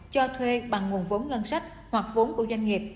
cho thuê bằng nguồn vốn ngân sách hoặc vốn của doanh nghiệp